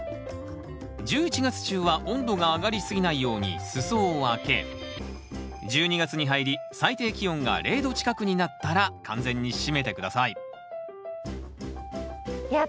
１１月中は温度が上がりすぎないように裾を開け１２月に入り最低気温が０℃近くになったら完全に閉めて下さいいや